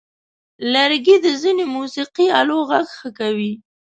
لرګی د ځینو موسیقي آلو غږ ښه کوي.